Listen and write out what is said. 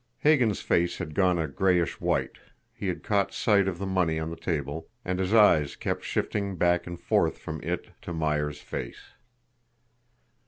Hagan's face had gone a grayish white he had caught sight of the money on the table, and his eyes kept shifting back and forth from it to Myers' face.